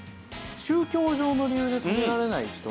宗教上の理由で食べられない人。